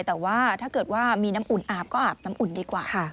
แต่ว่าถ้าเกิดว่ามีน้ำอุ่นอาบก็อาบน้ำอุ่นดีกว่าค่ะ